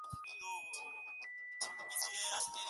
Al suroeste se halla el cráter de borde afilado Grove.